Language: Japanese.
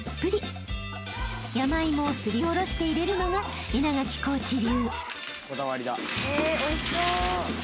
［山芋をすりおろして入れるのが稲垣コーチ流］